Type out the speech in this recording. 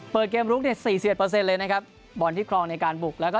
เปิดเกมรุก๔๖เลยบอลที่คลองในการบุก